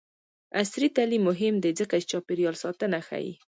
عصري تعلیم مهم دی ځکه چې چاپیریال ساتنه ښيي.